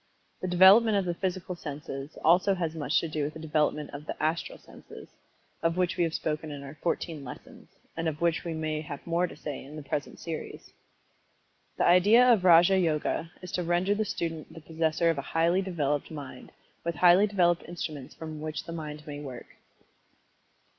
The development of the physical senses, also has much to do with the development of the "Astral Senses," of which we have spoken in our "Fourteen Lessons," and of which we may have more to say in the present series. The idea of Raja Yoga is to render the student the possessor of a highly developed Mind, with highly developed instruments with which the mind may work.